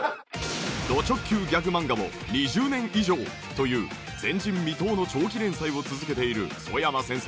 ど直球ギャグ漫画を２０年以上という前人未到の長期連載を続けている曽山先生。